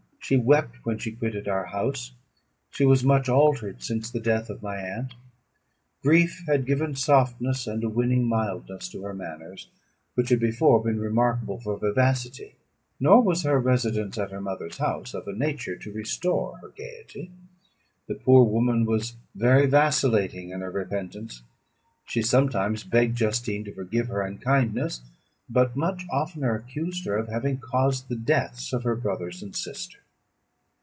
she wept when she quitted our house; she was much altered since the death of my aunt; grief had given softness and a winning mildness to her manners, which had before been remarkable for vivacity. Nor was her residence at her mother's house of a nature to restore her gaiety. The poor woman was very vacillating in her repentance. She sometimes begged Justine to forgive her unkindness, but much oftener accused her of having caused the deaths of her brothers and sister.